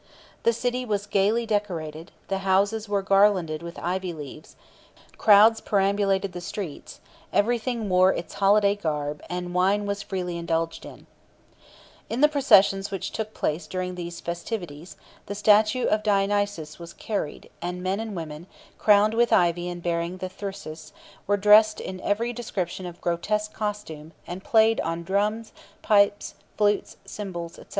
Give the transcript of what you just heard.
The city was gaily decorated, the houses were garlanded with ivy leaves, crowds perambulated the streets, everything wore its holiday garb, and wine was freely indulged in. In the processions which took place during these festivities, the statue of Dionysus was carried, and men and women, crowned with ivy and bearing the thyrsus, were dressed in every description of grotesque costume, and played on drums, pipes, flutes, cymbals, &c.